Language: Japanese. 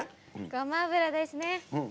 ごま油ですね！